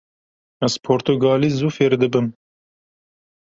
Ez portugalî zû fêr dibim.